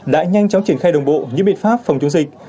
đã nhanh chóng triển khai đồng bộ những biện pháp phòng chống dịch